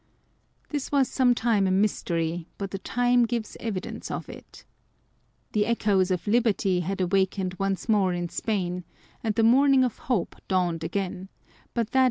" This was some time a mystery : but the time gives evidence of it." The echoes of liberty had awakened once more in â™¦Spain, and the morning of hope dawned again : but that On the Pleasure of Hating.